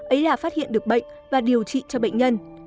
ấy là phát hiện được bệnh và điều trị cho bệnh nhân